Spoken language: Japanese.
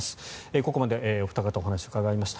ここまでお二方にお話を伺いました。